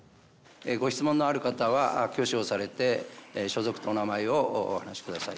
ご質問のある方は挙手をされて所属とお名前をお話し下さい。